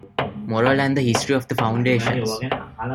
Morell and the history of the foundations.